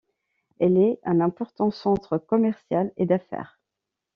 Elle est un important centre commercial et d'affaires.